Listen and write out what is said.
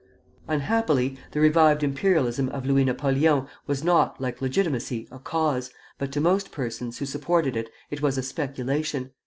Unhappily, the revived imperialism of Louis Napoleon was not, like Legitimacy, a cause, but to most persons who supported it, it was a speculation.